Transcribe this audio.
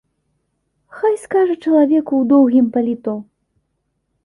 Хай скажа чалавеку ў доўгім паліто.